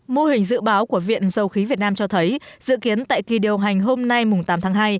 mô hình dự báo của viện dầu khí việt nam cho thấy dự kiến tại kỳ điều hành hôm nay tám tháng hai